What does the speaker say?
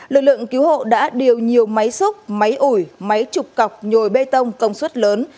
lực lượng cứu hộ đã điều nhiều máy xúc máy ủi máy trục cọc nhồi bê tông công suất lớn